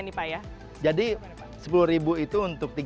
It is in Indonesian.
nih pak ya jadi rp sepuluh itu untuk